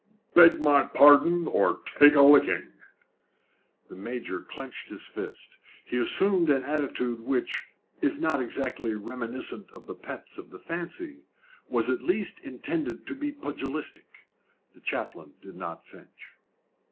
"Beg my pardon, or take a licking!" The Major clenched his fists. He assumed an attitude which, if not exactly reminiscent of the pets of the fancy, was at least intended to be pugilistic. The chaplain did not flinch.